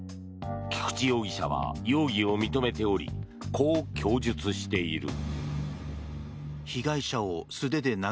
菊池容疑者は容疑を認めておりこう供述している。